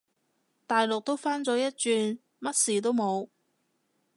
大陸都返咗一轉，乜事都冇